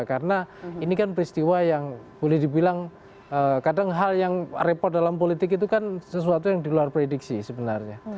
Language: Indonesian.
karena ini kan peristiwa yang boleh dibilang kadang hal yang repot dalam politik itu kan sesuatu yang diluar prediksi sebenarnya